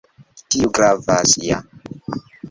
Tiu gravas ja